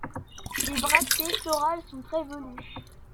Les bractées florales sont très velues.